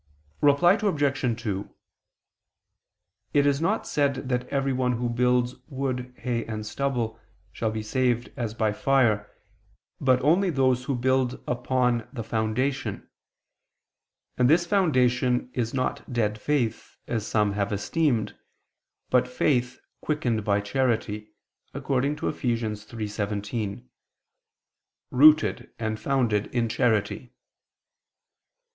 Reply Obj. 2: It is not said that everyone who builds wood, hay and stubble, shall be saved as by fire, but only those who build "upon" the "foundation." And this foundation is not dead faith, as some have esteemed, but faith quickened by charity, according to Eph. 3:17: "Rooted and founded in charity."